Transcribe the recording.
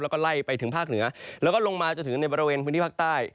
แล้วก็ไล่ไปถึงภาคเหนือแล้วก็ลงมาจนถึงในบริเวณพื้นที่ภาคใต้